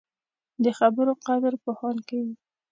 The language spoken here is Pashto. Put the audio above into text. د خبرو قدر پوهان کوي